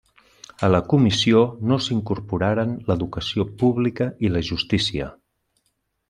A la Comissió no s'incorporaren l'educació pública i la justícia.